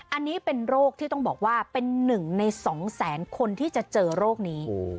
อันนี้เป็นโรคที่ต้องบอกว่าเป็น๑ใน๒แสนคนที่จะเจอโรคนี้